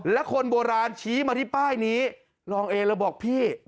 และคนโบราณชี้มาที่ป้ายนี้รองเอเลยบอกพี่